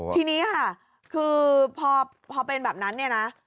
ทีนี้ค่ะคือพอเป็นแบบนั้น